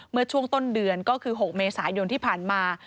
เมื่อช่วงต้นเดือนก็คือ๖เมษายนที่ผ่านมา